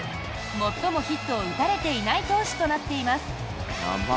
最もヒットを打たれていない投手となっています。